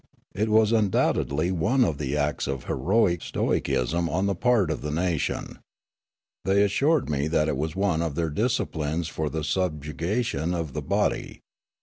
It was undoubtedly one of the acts of heroic stoicism on the part of the nation ; they assured me that it was one of their disciplines for the subjugation of the body.